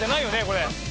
これ。